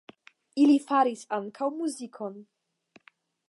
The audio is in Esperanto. Ili faris ankaŭ muzikon.